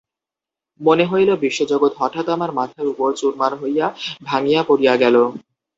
মনে হইল, বিশ্বজগৎ হঠাৎ আমার মাথার উপর চুরমার হইয়া ভাঙিয়া পড়িয়া গেল।